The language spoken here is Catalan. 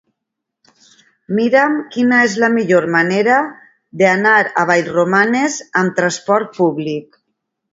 Mira'm quina és la millor manera d'anar a Vallromanes amb trasport públic.